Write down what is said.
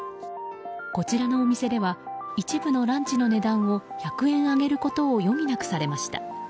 こちらのお店では一部のランチの値段を１００円上げることを余儀なくされました。